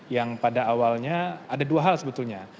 yang pada awalnya ada dua hal sebetulnya